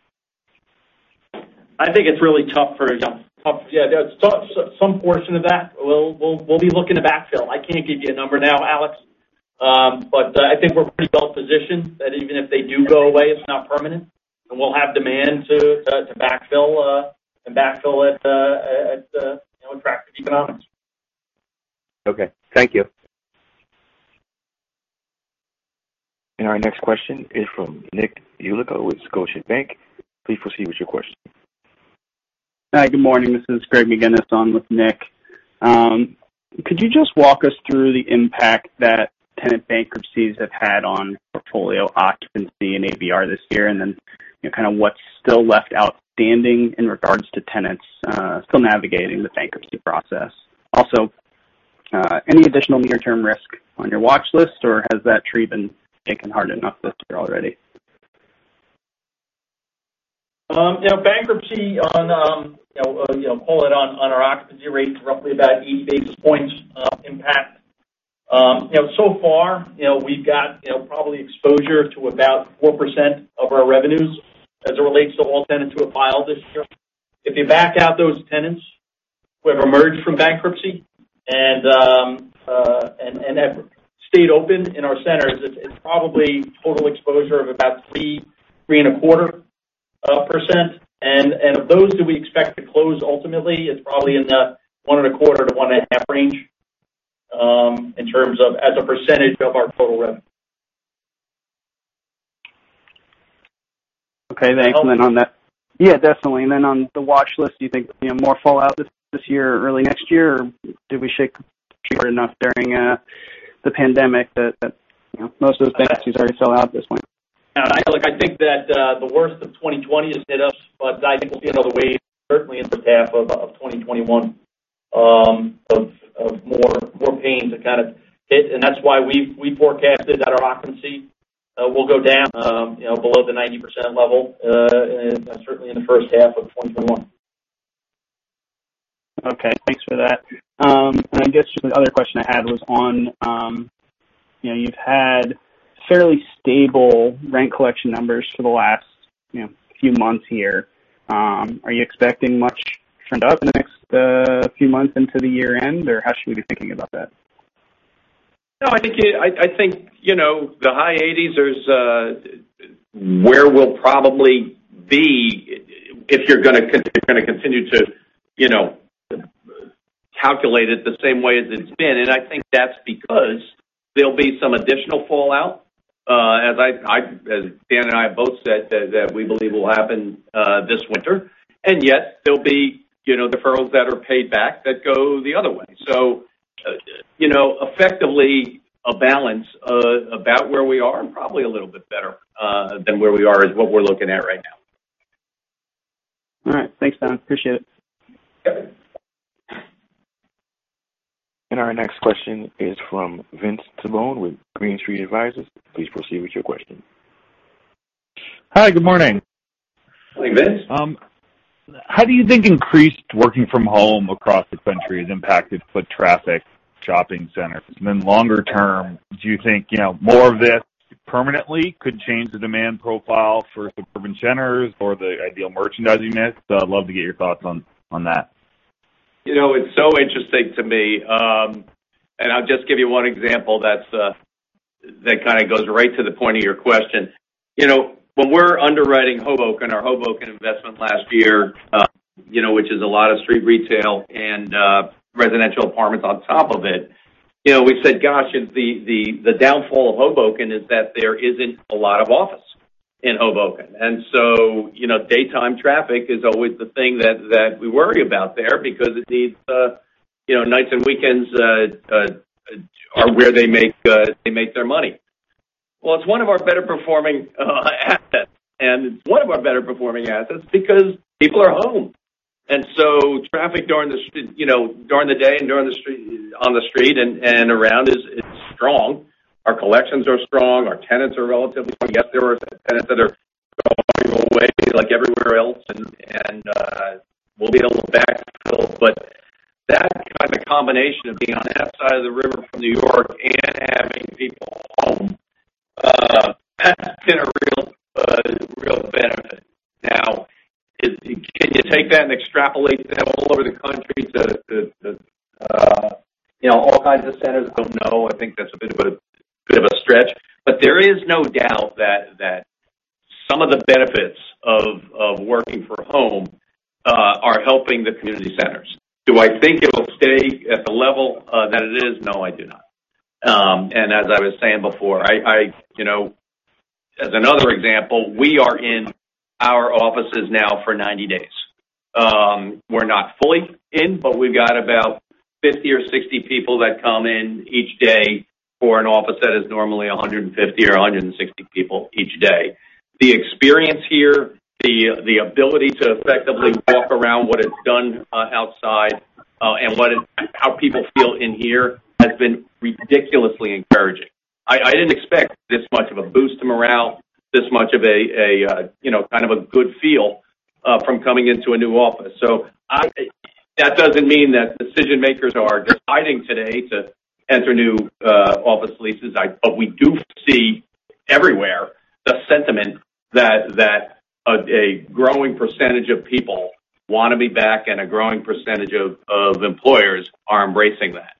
I think it's really tough for some portion of that, we'll be looking to backfill. I can't give you a number now, Alexander. I think we're pretty well positioned that even if they do go away, it's not permanent and we'll have demand to backfill at the attractive economics. Okay. Thank you. Our next question is from Nick Yulico with Scotiabank. Please proceed with your question. Hi. Good morning. This is Greg McGinniss on with Nick. Could you just walk us through the impact that tenant bankruptcies have had on portfolio occupancy and ABR this year, and then, kind of what's still left outstanding in regards to tenants still navigating the bankruptcy process. Also, any additional near-term risk on your watch list, or has that tree been shaken hard enough this year already? Bankruptcy, pull it on our occupancy rate is roughly about 80 basis points impact. So far, we've got probably exposure to about 4% of our revenues as it relates to all tenants who have filed this year. If you back out those tenants who have emerged from bankruptcy and have stayed open in our centers, it's probably total exposure of about 3.25%. Of those that we expect to close ultimately, it's probably in the 1.25%-1.5% range in terms of as a percentage of our total revenue. Okay. Thanks. Follow up? Yeah, definitely. On the watch list, do you think more fallout this year or early next year, or did we shake hard enough during the pandemic that most of the bankruptcies already fell out at this point? I think that the worst of 2020 has hit us, but I think we'll see another wave certainly in the first half of 2021 of more pain to kind of hit. That's why we forecasted that our occupancy will go down below the 90% level, certainly in the first half of 2021. Okay. Thanks for that. I guess the other question I had was on, you've had fairly stable rent collection numbers for the last few months here. Are you expecting much churn up in the next few months into the year-end, or how should we be thinking about that? No, I think the high 80s is where we'll probably be if you're going to continue to calculate it the same way as it's been. I think that's because there'll be some additional fallout, as Dan and I have both said, that we believe will happen this winter. Yet, there'll be deferrals that are paid back that go the other way. Effectively a balance about where we are and probably a little bit better than where we are is what we're looking at right now. All right. Thanks, Dan. Appreciate it. Yeah. Our next question is from Vince Tibone with Green Street Advisors. Please proceed with your question. Hi. Good morning. Morning, Vince. How do you think increased working from home across the country has impacted foot traffic shopping centers? Longer term, do you think more of this permanently could change the demand profile for suburban centers or the ideal merchandising mix? I'd love to get your thoughts on that. It's so interesting to me. I'll just give you one example that kind of goes right to the point of your question. When we were underwriting Hoboken, our Hoboken investment last year, which is a lot of street retail and residential apartments on top of it, we said, gosh, the downfall of Hoboken is that there isn't a lot of office in Hoboken. Daytime traffic is always the thing that we worry about there because the nights and weekends are where they make their money. It's one of our better performing assets. It's one of our better performing assets because people are home. Traffic during the day and on the street and around is strong. Our collections are strong. Our tenants are relatively strong. Yes, there are some tenants that are probably going away, like everywhere else, and we'll be able to backfill. That kind of combination of being on that side of the river from New York and having people home, that's been a real benefit. Can you take that and extrapolate that all over the country to all kinds of centers? I don't know. I think that's a bit of a stretch. There is no doubt that some of the benefits of working from home are helping the community centers. Do I think it will stay at the level that it is? No, I do not. As I was saying before, as another example, we are in our offices now for 90 days. We're not fully in, but we've got about 50-60 people that come in each day for an office that is normally 150-160 people each day. The experience here, the ability to effectively walk around what it's done outside, and how people feel in here has been ridiculously encouraging. I didn't expect this much of a boost in morale, this much of a kind of a good feel from coming into a new office. That doesn't mean that decision-makers are deciding today to enter new office leases. We do see everywhere the sentiment that a growing percentage of people want to be back, and a growing percentage of employers are embracing that.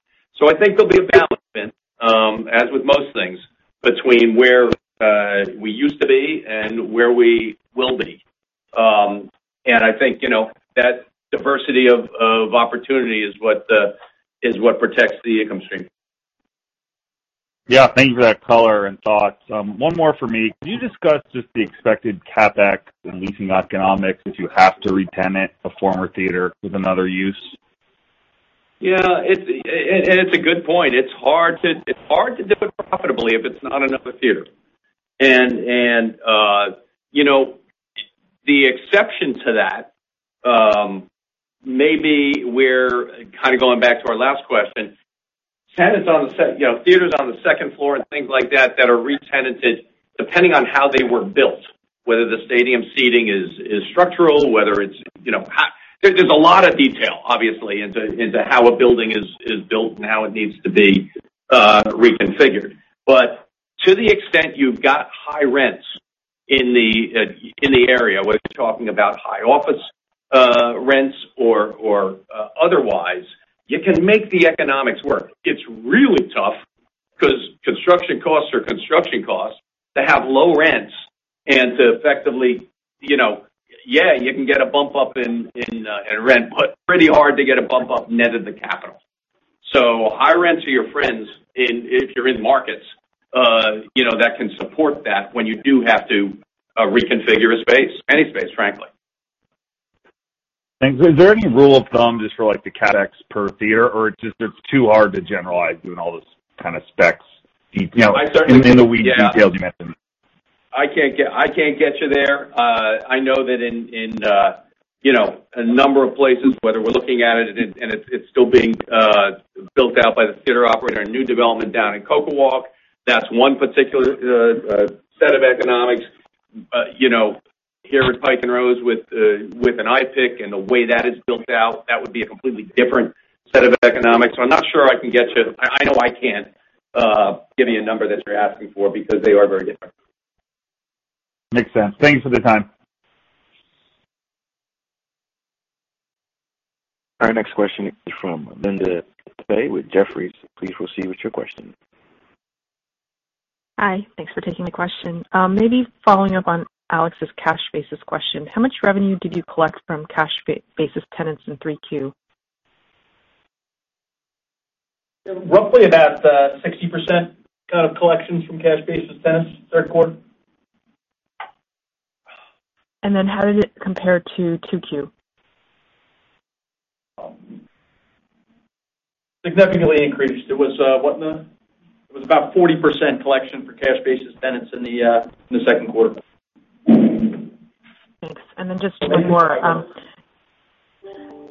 I think there'll be a balance, as with most things, between where we used to be and where we will be. I think that diversity of opportunity is what protects the income stream. Yeah. Thanks for that color and thoughts. One more for me. Can you discuss just the expected CapEx and leasing economics if you have to retenant a former theater with another use? Yeah. It's a good point. It's hard to do it profitably if it's not another theater. The exception to that, maybe we're kind of going back to our last question. Theaters on the second floor and things like that that are retenanted, depending on how they were built, whether the stadium seating is structural. There's a lot of detail, obviously, into how a building is built and how it needs to be reconfigured. To the extent you've got high rents in the area, whether you're talking about high office rents or otherwise, you can make the economics work. It's really tough because construction costs are construction costs to have low rents and to effectively Yeah, you can get a bump up in rent, but pretty hard to get a bump up net of the capital. High rents are your friends if you're in markets that can support that when you do have to reconfigure a space. Any space, frankly. Thanks. Is there any rule of thumb just for the CapEx per theater, or it is just too hard to generalize doing all this kind of specs detail and the wee details you mentioned? I can't get you there. I know that in a number of places, whether we're looking at it and it's still being built out by the theater operator, our new development down in CocoWalk. That's one particular set of economics. Here with Pike & Rose with an IPIC and the way that is built out, that would be a completely different set of economics. I'm not sure I can get you. I know I can't give you a number that you're asking for because they are very different. Makes sense. Thanks for the time. Our next question is from Linda Tsai with Jefferies. Please proceed with your question. Hi. Thanks for taking the question. Maybe following up on Alexander's cash basis question, how much revenue did you collect from cash basis tenants in 3Q? Roughly about 60% kind of collections from cash basis tenants, third quarter. How did it compare to 2Q? Significantly increased. It was about 40% collection for cash basis tenants in the second quarter. Thanks. Just one more.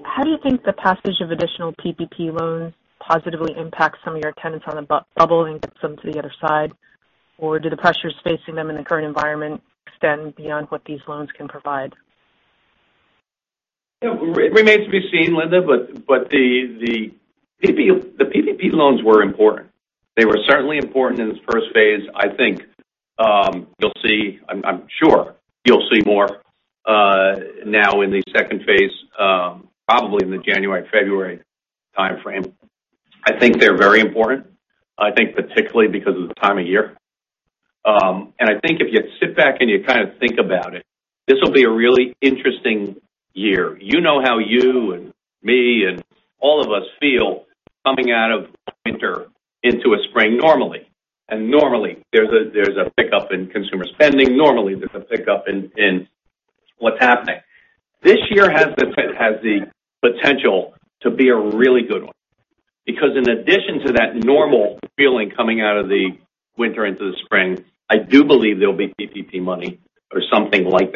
How do you think the passage of additional PPP loans positively impacts some of your tenants on the bubble and gets them to the other side? Do the pressures facing them in the current environment extend beyond what these loans can provide? It remains to be seen, Linda. The PPP loans were important. They were certainly important in this first phase. I'm sure you'll see more now in the second phase, probably in the January, February timeframe. I think they're very important, I think particularly because of the time of year. I think if you sit back and you kind of think about it, this will be a really interesting year. You know how you and me and all of us feel coming out of winter into a spring normally, and normally there's a pickup in consumer spending. Normally, there's a pickup in what's happening. This year has the potential to be a really good one. In addition to that normal feeling coming out of the winter into the spring, I do believe there'll be PPP money or something like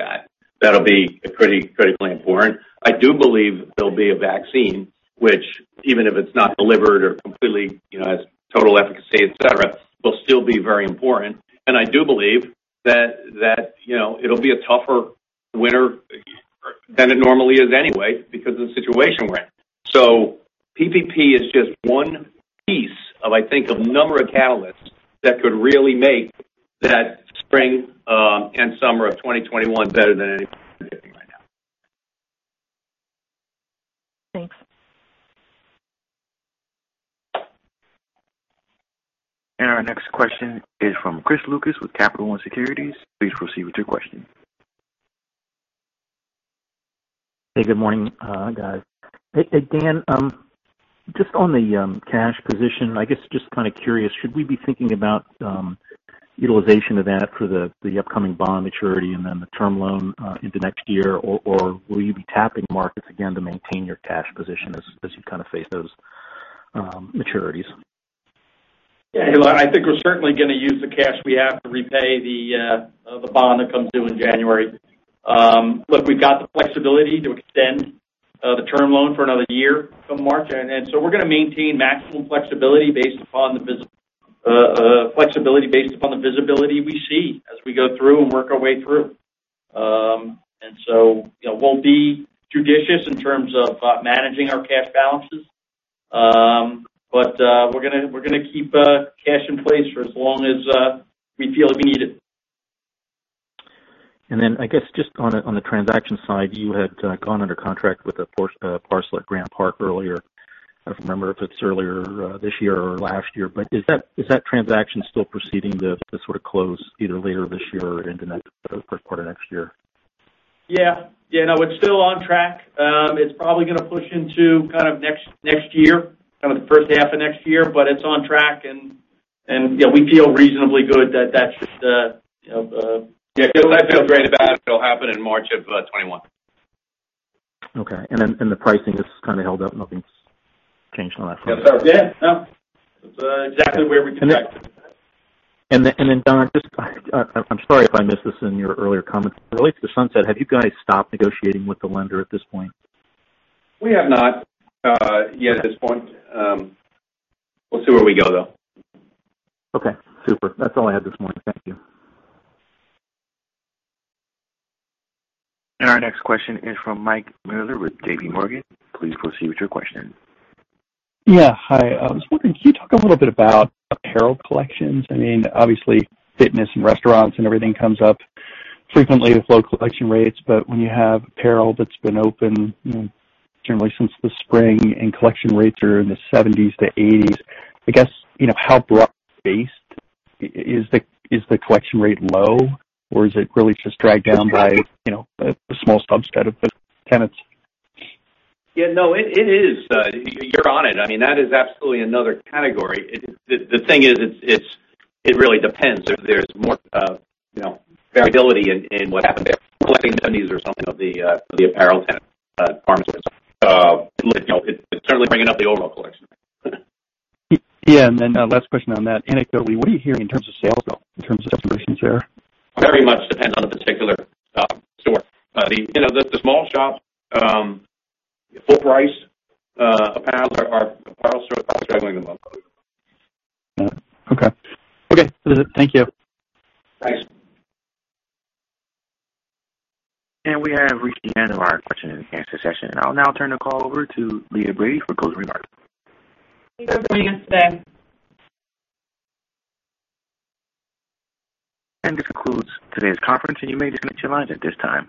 that'll be critically important. I do believe there'll be a vaccine, which even if it's not delivered or completely has total efficacy, et cetera, will still be very important. I do believe that it'll be a tougher winter than it normally is anyway because of the situation we're in. PPP is just one piece, I think, of a number of catalysts that could really make that spring and summer of 2021 better than anybody is thinking right now. Thanks. Our next question is from Chris Lucas with Capital One Securities. Please proceed with your question. Hey, good morning guys. Hey, Dan, just on the cash position, I guess, just kind of curious, should we be thinking about utilization of that for the upcoming bond maturity and then the term loan into next year? Will you be tapping markets again to maintain your cash position as you kind of face those maturities? Yeah. I think we're certainly going to use the cash we have to repay the bond that comes due in January. Look, we've got the flexibility to extend the term loan for another year from March. We're going to maintain maximum flexibility based upon the visibility we see as we go through and work our way through. We'll be judicious in terms of managing our cash balances. We're going to keep cash in place for as long as we feel like we need it. I guess just on the transaction side, you had gone under contract with a parcel at Grant Park earlier. I don't remember if it's earlier this year or last year, but is that transaction still proceeding to sort of close either later this year or into the first quarter of next year? No, it's still on track. It's probably going to push into next year, the first half of next year. It's on track and we feel reasonably good. I feel great about it. It'll happen in March of 2021. Okay. The pricing has kind of held up. Nothing's changed on that front? Yeah, no. It's exactly where we projected. Don, I'm sorry if I missed this in your earlier comments. Relates to Sunset, have you guys stopped negotiating with the lender at this point? We have not yet at this point. We'll see where we go, though. Okay, super. That's all I had this morning. Thank you. Our next question is from Mike Mueller with JPMorgan. Please proceed with your question. Yeah. Hi. I was wondering, can you talk a little bit about apparel collections? Obviously, fitness and restaurants and everything comes up frequently with low collection rates. When you have apparel that's been open generally since the spring and collection rates are in the 70%-80%, I guess, how broad based is the collection rate low, or is it really just dragged down by a small subset of the tenants? Yeah, no. You're on it. That is absolutely another category. The thing is, it really depends. There's more variability in what happened there. Collecting 70% or something of the apparel tenant pharmacies. It's certainly bringing up the overall collection rate. Yeah. Last question on that. Anecdotally, what are you hearing in terms of sales though, in terms of destinations there? Very much depends on the particular store. The small shop, full price apparel stores are struggling the most. Okay. Thank you. Thanks. We have reached the end of our question and answer session, and I'll now turn the call over to Leah Brady for closing remarks. Thank you for joining us today. This concludes today's conference, and you may disconnect your lines at this time.